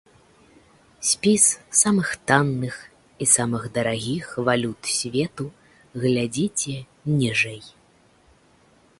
Спіс самых танных і самых дарагіх валют свету глядзіце ніжэй.